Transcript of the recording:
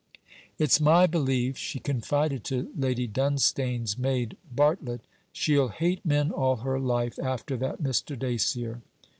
'It's my belief,' she confided to Lady Dunstane's maid Bartlett, 'she'll hate men all her life after that Mr. Dacier.'